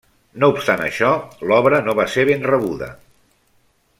No obstant això, l'obra no va ser ben rebuda.